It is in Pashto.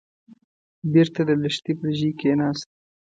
بېرته د لښتي پر ژۍ کېناست.